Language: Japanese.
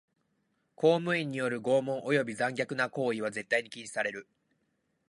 公務員による拷問および残虐な行為は絶対に禁止される。